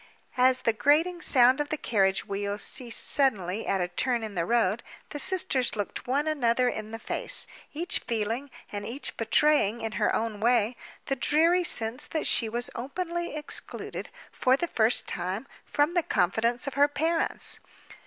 As the grating sound of the carriage wheels ceased suddenly at a turn in the road, the sisters looked one another in the face; each feeling, and each betraying in her own way, the dreary sense that she was openly excluded, for the first time, from the confidence of her parents.